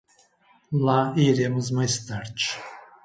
lá iremos mais tarde